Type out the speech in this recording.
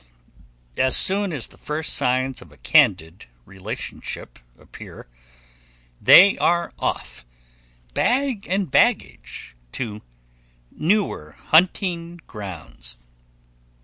As soon as the first signs of a candid relationship appear, they are off, bag and baggage, to newer hunting grounds.